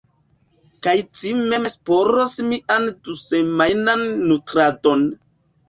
Kaj ci mem ŝparos mian dusemajnan nutradon.